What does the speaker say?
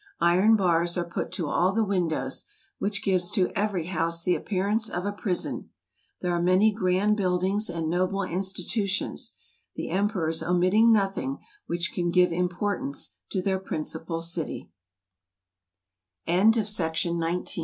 Iron bars are put « to all the windows; which gives to every house the appearance of a prison. There are many grand buildings, and noble institutions; the Em¬ perors omitting nothing which can give impor¬ tance to t